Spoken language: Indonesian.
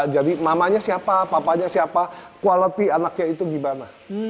jadi mamanya siapa papanya siapa quality anaknya itu gimana